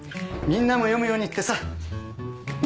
みんなも読むようにってさ。